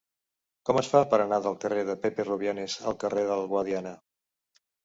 Com es fa per anar del carrer de Pepe Rubianes al carrer del Guadiana?